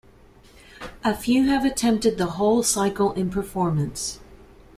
A few have attempted the whole cycle in performance.